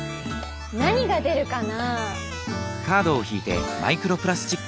何が出るかな？